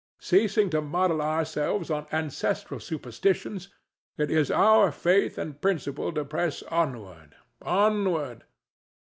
Ceasing to model ourselves on ancestral superstitions, it is our faith and principle to press onward—onward.